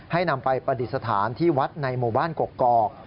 นำไปปฏิสถานที่วัดในหมู่บ้านกกอก